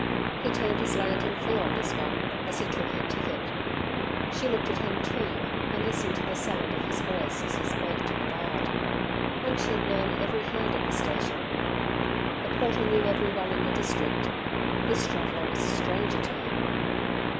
He turned his lantern full on this one, as he took her ticket. She looked at him too, and listened to the sound of his voice, as he spoke to the guard. Once she had known every hand at the station. The porter knew everyone in the district. This traveller was a stranger to him.